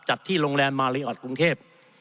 จัดที่โรงแรมมาริออร์ดกรุงเทพ